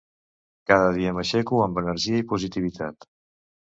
Cada dia m'aixeco amb energia i positivitat.